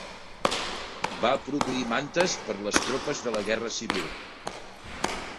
Va produir mantes per a les tropes de la Guerra Civil.